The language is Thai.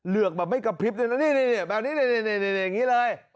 เลือกแบบไม่กระพริบเลยนะนี่แบบนี้อย่างนี้เลย